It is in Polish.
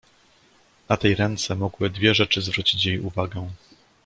"Na tej ręce mogły dwie rzeczy zwrócić jej uwagę."